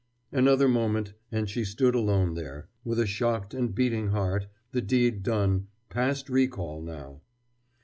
Another moment and she stood alone there, with a shocked and beating heart, the deed done, past recall now.